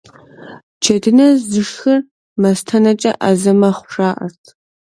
Джэдынэ зышхыр мастэнэкӀэ Ӏэзэ мэхъу, жаӀэрт.